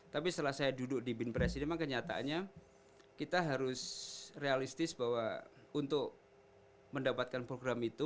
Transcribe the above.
tapi setelah saya duduk di bin pres ini memang kenyataannya kita harus realistis bahwa untuk mendapatkan program itu